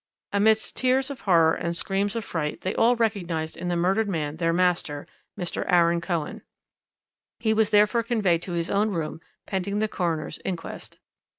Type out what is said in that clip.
"Amidst tears of horror and screams of fright, they all recognized in the murdered man their master, Mr. Aaron Cohen. He was therefore conveyed to his own room pending the coroner's inquest.